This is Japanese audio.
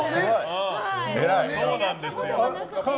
そうなんですよ！